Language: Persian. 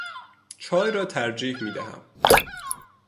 چای را ترجیح می دهم.